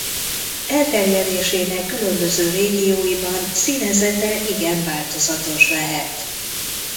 Elterjedésének különböző régióiban színezete igen változatos lehet.